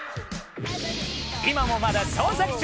今もまだ、捜索中。